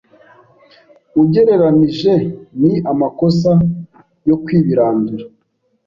ugereranije ni amakosa yo kwibirandura